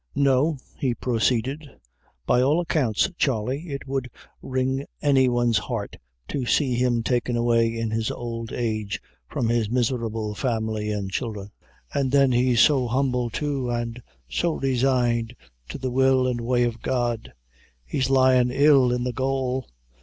No," he proceeded, "by all accounts, Charley, it would wring any one's heart to see him taken away in his ould age from his miserable family and childre, and then he's so humble, too, and so resigned to the will an' way o' God. He's lyin' ill in the gaol.